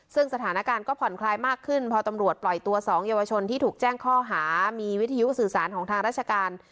ซึ่งสถานการณ์ก็ผ่อนคลายมากขึ้นพอตำรวจปล่อยตัว๒เยาวชนที่ถูกแจ้งข้อหามีวิทยุสื่อสารของทางราชการ